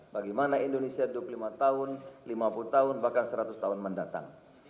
bagaimana indonesia dua puluh lima tahun lima puluh tahun bahkan seratus tahun mendatang